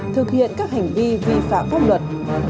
thực hiện các hành vi vi phạm pháp luật